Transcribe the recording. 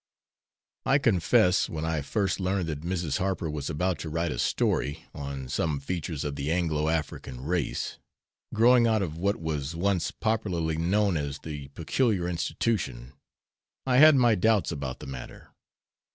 I confess when I first learned that Mrs. Harper was about to write "a story" on some features of the Anglo African race, growing out of what was once popularly known as the "peculiar institution," I had my doubts about the matter.